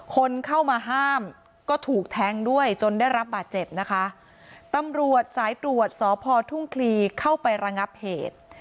คนเข้ามาห้ามก็ถูกแทงด้วยจนได้รับบาดเจ็บนะคะตำรวจสายตรวจสพทุ่งคลีเข้าไประงับเหตุ